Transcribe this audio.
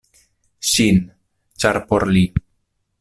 Ŝin, ĉar por li.